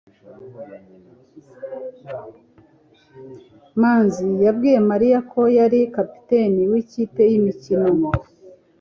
manzi yabwiye mariya ko yari kapiteni wikipe yimikino